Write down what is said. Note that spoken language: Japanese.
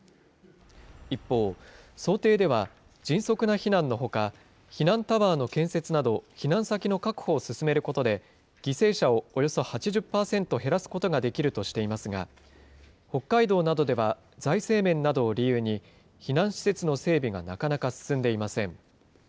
一方、想定では迅速な避難のほか、避難タワーの建設など、避難先の確保を進めることで、犠牲者をおよそ８０％減らすことができるとしていますが、北海道などでは、財政面などを理由に、避難施設の整備がなかなか進んでいません。